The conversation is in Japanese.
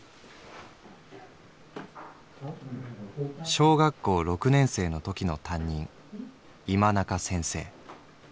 「小学校六年生のときの担任今中先生」。